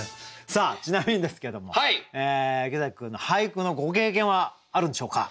ちなみにですけれども池崎君俳句のご経験はあるんでしょうか？